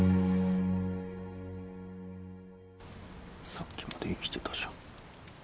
さっきまで生きてたじゃん。